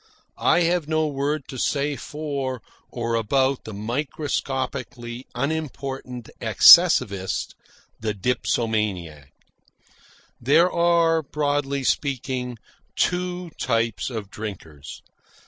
I have no word to say for or about the microscopically unimportant excessivist, the dipsomaniac. There are, broadly speaking, two types of drinkers.